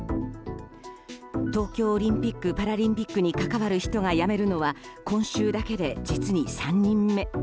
東京オリンピック・パラリンピックに関わる人が辞めるのは今週だけで実に３人目。